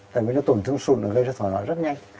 tại vì nó tổn thương sụn và gây ra thoải hóa rất nhanh